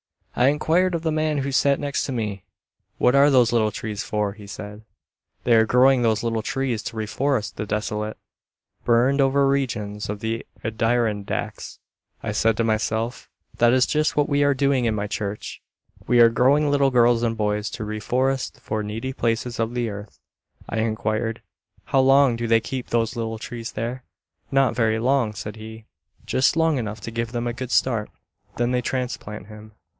I inquired of the man who sat next me, "What are those little trees for?" He said, "They are growing those little trees to reforest the desolate, burned over regions of the Adirondacks." I said to myself, "That is just what we are doing in my church. We are growing girls and boys to reforest the needy places of the earth." I inquired, "How long do they keep those little trees there?" "Not very long," said he, "just long enough to give them a good start. Then they transplant them."